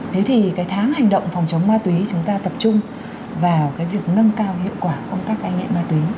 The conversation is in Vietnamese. thế thì cái tháng hành động phòng chống ma túy chúng ta tập trung vào cái việc nâng cao hiệu quả công tác cai nghiện ma túy